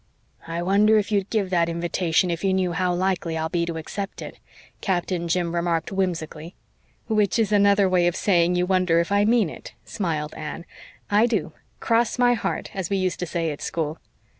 "I wonder if you'd give that invitation if you knew how likely I'll be to accept it," Captain Jim remarked whimsically. "Which is another way of saying you wonder if I mean it," smiled Anne. "I do, 'cross my heart,' as we used to say at school."